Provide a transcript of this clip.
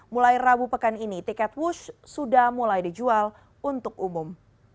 mulai rabu pekan ini tiket wush sudah mulai dijual untuk umum